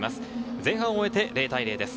前半を終えて０対０です。